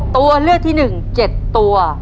ตัวเลือดที่หนึ่งเจ็ดตัว